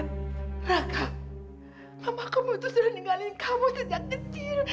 raka mama kamu itu sudah ninggalin kamu sejak kecil